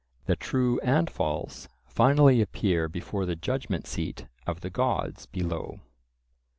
The true and false finally appear before the judgment seat of the gods below.